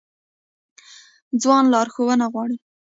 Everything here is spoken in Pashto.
ځوان لارښوونه غواړي